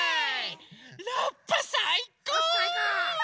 ラッパさいこう！